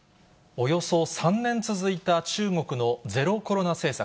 およそ３年続いた中国のゼロコロナ政策。